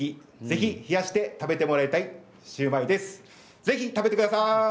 ぜひ食べに来てください